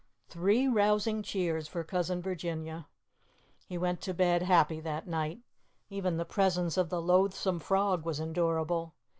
_ Three rousing cheers for Cousin Virginia! He went to bed happy that night. Even the presence of the loathsome frog was endurable.